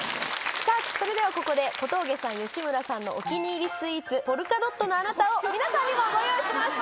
さぁそれではここで小峠さん吉村さんのお気に入りスイーツ。を皆さんにもご用意しました！